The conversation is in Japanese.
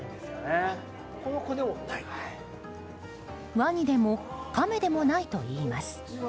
ワニでもカメでもないといいます。